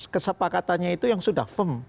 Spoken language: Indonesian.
kesepakatannya itu yang sudah firm